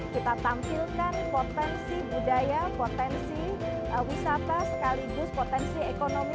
kita tampilkan potensi budaya potensi wisata sekaligus potensi ekonomi